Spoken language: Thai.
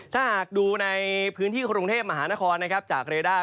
ถ้าหากดูในพื้นที่กรุงเทพมหานครนะครับจากเรด้า